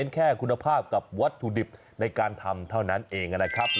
แค่คุณภาพกับวัตถุดิบในการทำเท่านั้นเองนะครับ